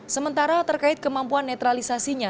sementara terkait kemampuan netralisasinya